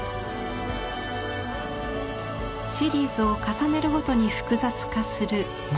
シリーズを重ねるごとに複雑化する森。